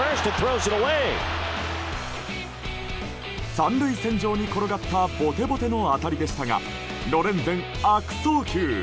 ３塁線上に転がったボテボテの当たりでしたがロレンゼン、悪送球。